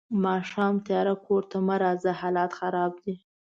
ماښام تیارۀ کور ته مه راځه حالات خراب دي.